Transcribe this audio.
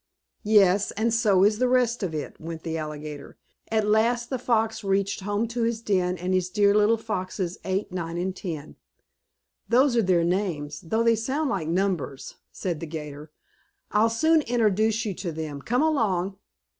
"Yes, and so is the rest of it," went on the alligator. "'At last the fox reached home to his den, and his dear little foxes, Eight, Nine, Ten.' Those are their names, though they sound like numbers," said the 'gator. "I'll soon introduce you to them. Come along!"